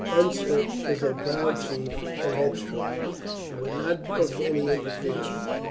Unser is a proud chief, and headstrong, and would not brook any interference.